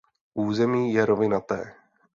Území je rovinaté.